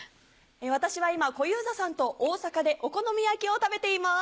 私は今小遊三さんと大阪でお好み焼きを食べています。